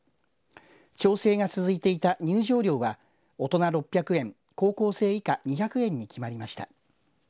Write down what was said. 調整が続いていた入場料は大人６００円高校生以下２００円に決まりました。